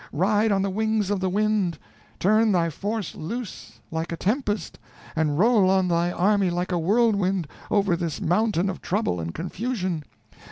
Ride on the wings of the wind! Turn thy force loose like a tempest, and roll on thy army like a whirlwind, over this mountain of trouble and confusion.